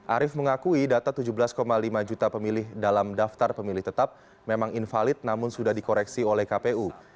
arief mengakui data tujuh belas lima juta pemilih dalam daftar pemilih tetap memang invalid namun sudah dikoreksi oleh kpu